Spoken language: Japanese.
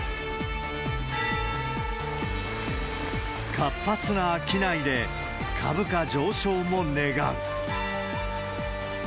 活発な商いで、株価上昇も願う。